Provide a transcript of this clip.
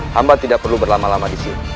hamba tidak perlu berlama lama disini